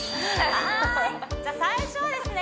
はいじゃあ最初はですね